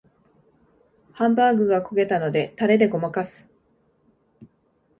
ハンバーグが焦げたのでタレでごまかす